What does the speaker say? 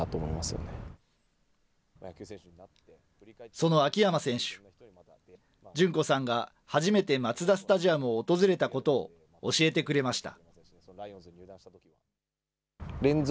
その秋山選手、順子さんが初めてマツダスタジアムを訪れたことを教えてくれました。